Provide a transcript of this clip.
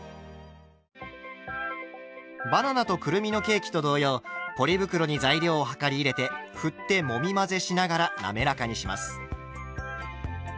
バナナとくるみのケーキと同様ポリ袋に材料を量り入れてふってもみ混ぜしながら滑らかにします。